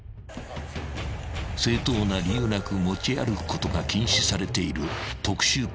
［正当な理由なく持ち歩くことが禁止されている］